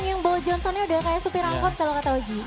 yang bo johnsonnya udah kayak supir angkot kalau gak tau oji